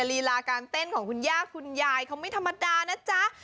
ลีลาการเต้นของคุณย่าคุณยายเขาไม่ธรรมดานะจ๊ะ